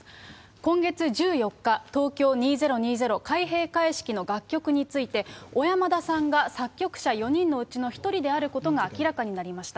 今月１４日、東京２０２０開閉会式の楽曲について、小山田さんが作曲者４人のうちの１人であることが明らかになりました。